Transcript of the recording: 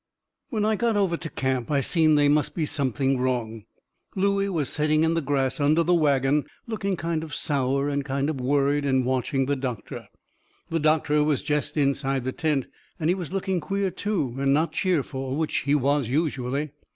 When I got over to camp I seen they must be something wrong. Looey was setting in the grass under the wagon looking kind of sour and kind of worried and watching the doctor. The doctor was jest inside the tent, and he was looking queer too, and not cheerful, which he was usually.